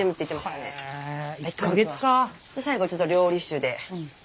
最後ちょっと料理酒で。